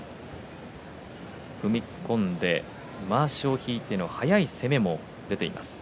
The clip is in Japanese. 踏み込んでまわしを引いての速い攻めも出ています。